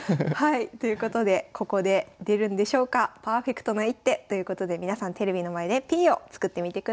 ということでここで出るんでしょうかパーフェクトな一手ということで皆さんテレビの前でＰを作ってみてください。